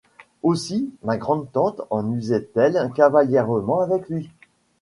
Aussi, ma grand’tante en usait-elle cavalièrement avec lui.